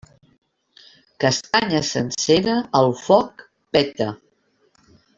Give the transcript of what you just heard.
Castanya sencera, al foc peta.